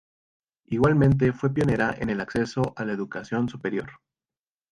Igualmente fue pionera en el acceso a la educación superior.